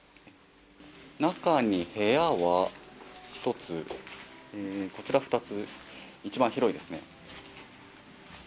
中に部屋は１つ、こちら２つ、一番広いですね。